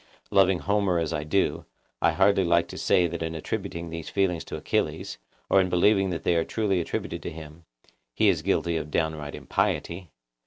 Loving Homer as I do, I hardly like to say that in attributing these feelings to Achilles, or in believing that they are truly attributed to him, he is guilty of downright impiety.